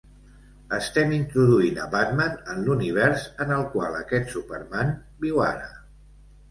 Estem introduint a Batman en l'univers en el qual aquest Superman viu ara.